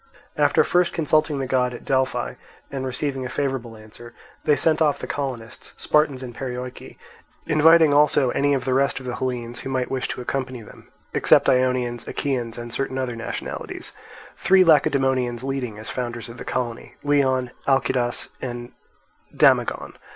After first consulting the god at Delphi and receiving a favourable answer, they sent off the colonists, Spartans, and Perioeci, inviting also any of the rest of the Hellenes who might wish to accompany them, except Ionians, Achaeans, and certain other nationalities; three Lacedaemonians leading as founders of the colony, Leon, Alcidas, and Damagon.